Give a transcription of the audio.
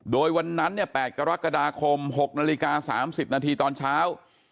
โดยวันนั้น๘กรกฎาคม๖นาฬิกา๓๐นาทีตอนเช้า